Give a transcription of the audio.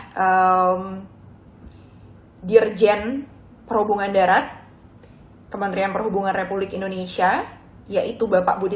kepada dirjen perhubungan darat kementerian perhubungan republik indonesia yaitu bapak budi